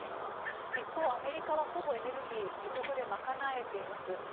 一方、アメリカはほぼエネルギーを自国で賄えています。